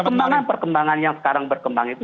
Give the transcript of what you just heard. nah perkembangan perkembangan yang sekarang berkembang itu